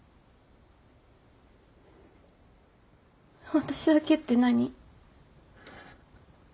私だけって何？